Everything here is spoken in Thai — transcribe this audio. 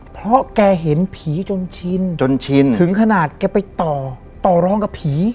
เพราะแกเห็นผีจนชินจนชินถึงขนาดแกไปต่อต่อรองกับผี